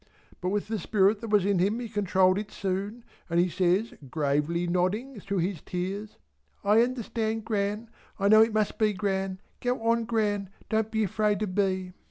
But with the spirit that was in him he controlled it soon and he says gravely nodding through his tears, "I understand Gran I know it must be, Gran go on Gran, don't be afraid of me."